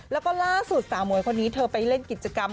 แล้วก็ล่าสุดสาวหมวยคนนี้เธอไปเล่นกิจกรรม